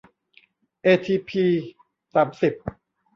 เอทีพี สามสิบ